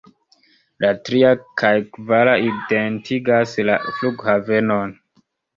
La tria kaj kvara identigas la flughavenon.